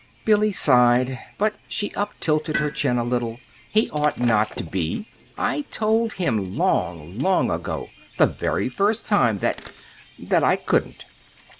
Billy sighed, but she uptilted her chin a little. "He ought not to be. I told him long, long ago, the very first time, that that I couldn't."